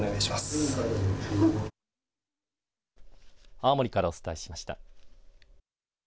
青森からお伝えしました。